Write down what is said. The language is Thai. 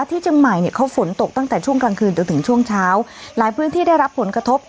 ที่เชียงใหม่เนี่ยเขาฝนตกตั้งแต่ช่วงกลางคืนจนถึงช่วงเช้าหลายพื้นที่ได้รับผลกระทบ